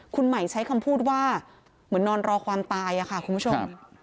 คุณใหม่ใช้คำพูดว่าเหมือนนอนรอความตายค่ะคุณผู้ชม